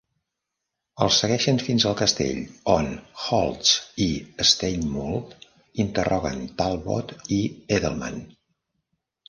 El segueixen fins al castell, on Holtz i Steinmuhl interroguen Talbot i Edelmann.